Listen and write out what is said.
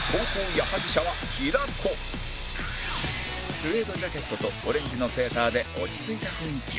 スエードジャケットとオレンジのセーターで落ち着いた雰囲気を